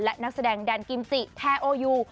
และนักแสดงแดนกิมจิแทโอยู